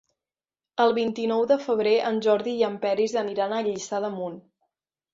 El vint-i-nou de febrer en Jordi i en Peris aniran a Lliçà d'Amunt.